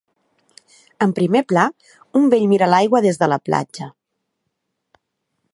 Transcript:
En primer pla, un vell mira l'aigua des de la platja.